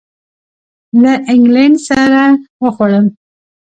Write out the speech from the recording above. له اینګلینډ سره وخوړل.